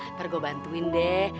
ntar gue bantuin deh